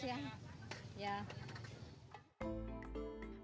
iya manis asin pedas ya